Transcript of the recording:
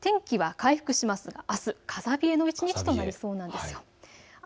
天気は回復しますがあすは風冷えの一日となりそうです。